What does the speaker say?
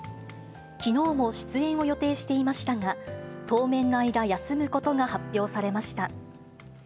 きのうも出演を予定していましたが、当面の間、休むことが発表されました。